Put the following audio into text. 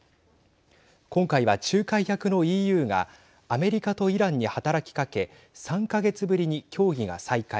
今回は仲介役のＥＵがアメリカとイランに働きかけ３か月ぶりに協議が再開。